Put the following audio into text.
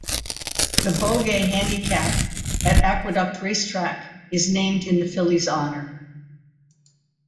The Beaugay Handicap at Aqueduct Racetrack is named in the filly's honor.